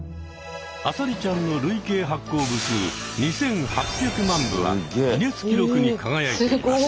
「あさりちゃん」の累計発行部数２，８００万部はギネス記録に輝いています。